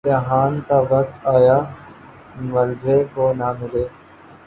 امتحان کا وقت آیا‘ ملنے کو نہ ملے۔